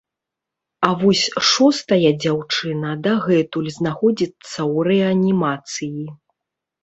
А вось шостая дзяўчына дагэтуль знаходзіцца ў рэанімацыі.